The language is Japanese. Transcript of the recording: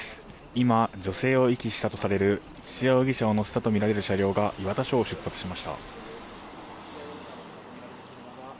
今、女性を遺棄したとされる土屋容疑者を乗せたとみられる車両が磐田署を出発しました。